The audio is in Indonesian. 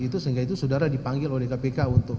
itu sehingga itu saudara dipanggil oleh kpk untuk